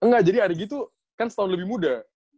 enggak jadi argi itu kan setahun lebih muda